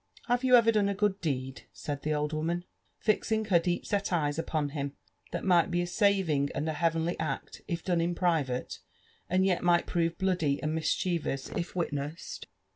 Have you never done a good deed," said the old woman, fixing herdeep *set eyes upon him, '* that might be a saving and a heavenly act if done in private, and yet might prove bloody and mischievous if witnessed?"